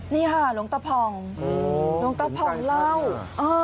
นี่ค่ะหลวงตาผ่องหลวงตาผ่องเล่า